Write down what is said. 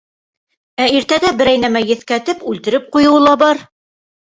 Ә иртәгә берәй нәмә еҫкәтеп, үлтереп ҡуйыуы ла бар.